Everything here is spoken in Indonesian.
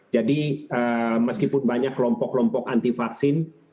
jadi meskipun banyak kelompok kelompok anti vaksin